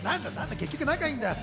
結局仲いいんだ。